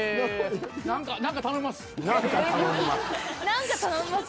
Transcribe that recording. ［何か頼みます］